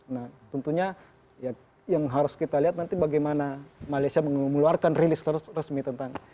nah tentunya ya yang harus kita lihat nanti bagaimana malaysia mengeluarkan rilis resmi tentang